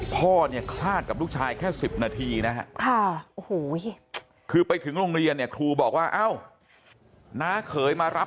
พ่อเนี่ยคลาดกับลูกชายแค่๑๐นาทีนะครับ